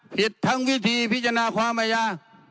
ผิดทั้งวิธีพิจารณาความอาญา